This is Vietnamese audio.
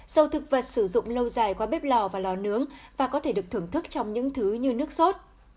sầu thực vật sử dụng lâu dài qua bếp lò và lò nướng và có thể được thưởng thức trong những thứ như nước sốt